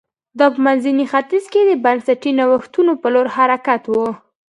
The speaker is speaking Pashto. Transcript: دا په منځني ختیځ کې د بنسټي نوښتونو په لور حرکت و